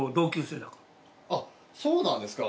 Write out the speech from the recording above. あっそうなんですか。